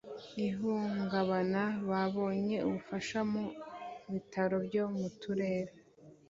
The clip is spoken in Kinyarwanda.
ihungabana babonye ubufasha mu bitaro byo mu turere